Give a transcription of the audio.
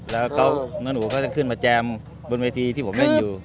แล้วน้องอู๋เขาจะขึ้นมาแจมบนเวทีที่ผมเล่นอยู่